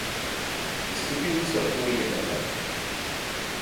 The stipules are poorly developed.